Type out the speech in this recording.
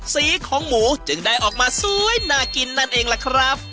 สีของหมูจึงได้ออกมาสวยน่ากินนั่นเองล่ะครับ